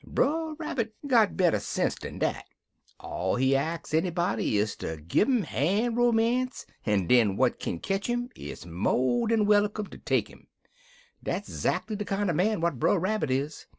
"Brer Rabbit got better sense dan dat. All he ax anybody is ter des gi' 'im han' roomance, en den what kin ketch 'im is mo' dan welly come ter take 'im. Dat 'zackly de kinder man what Brer Rabbit is.